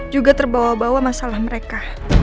juga terbawa bawa masalah mereka